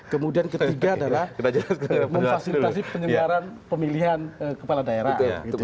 kemudian ketiga adalah memfasilitasi penyelenggaran pemilihan kepala daerah